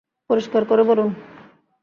পরিষ্কার করে বলুন।